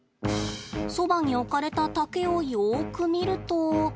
そばに置かれた竹をよく見ると。